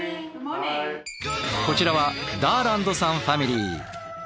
こちらはダーランドさんファミリー。